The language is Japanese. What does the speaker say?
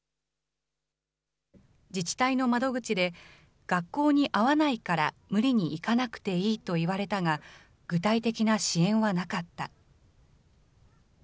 自治体の窓口で、学校に合わないから無理に行かなくていいと言われたが、具体的な支援はなかった。